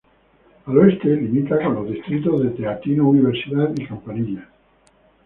Al oeste limita con los distritos de Teatinos-Universidad y Campanillas.